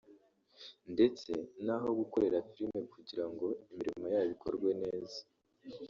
ndetse n’aho gukorera filime kugira ngo imirimo yabo ikorwe neza